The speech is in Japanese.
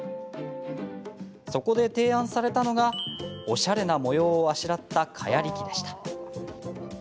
そこで提案されたのがおしゃれな模様をあしらった蚊やり器でした。